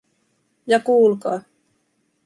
Ja kuulkaa.